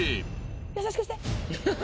優しくして。